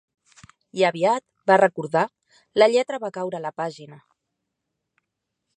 I aviat, va recordar, la lletra va caure a la pàgina.